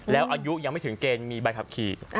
แล้วอายุยังไม่ถึงเกณฑ์มีใบขับขี่